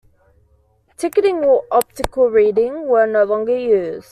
Ticketing or Optical Reading were no longer used.